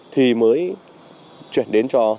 thì mới chuyển đến cho